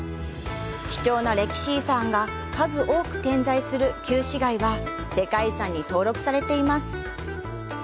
貴重な歴史遺産が数多く点在する旧市街が世界遺産に登録されています。